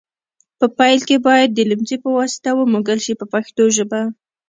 په پیل کې باید د لمڅي په واسطه ومږل شي په پښتو ژبه.